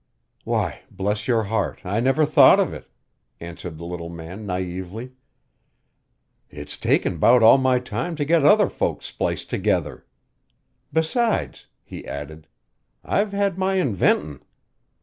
"Why, bless your heart, I never thought of it!" answered the little man naïvely. "It's taken 'bout all my time to get other folks spliced together. Besides," he added, "I've had my inventin'."